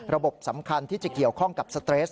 สำคัญที่จะเกี่ยวข้องกับสเตรส